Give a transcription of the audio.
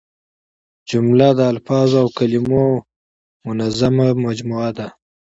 جمله د الفاظو او کلیمو منظمه مجموعه ده.